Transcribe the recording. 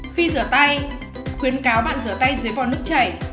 khi rửa tay khuyến cáo bạn rửa tay dưới vòn nước chảy